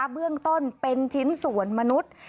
เบื้องต้นเป็นชิ้นส่วนมนุษย์